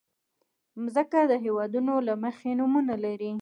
مځکه د هېوادونو له مخې نومونه لري.